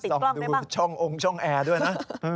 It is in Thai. ลองดูช่ององค์ช่องแอร์ด้วยนะ